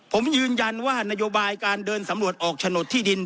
ผมยืนยันว่านโยบายการเดินสำรวจออกโฉนดที่ดิน